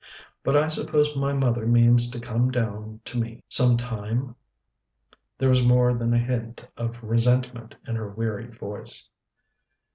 But I suppose my mother means to come down to me some time?" There was more than a hint of resentment in her wearied voice.